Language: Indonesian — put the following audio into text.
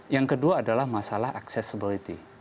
yang kedua adalah masalah accessibility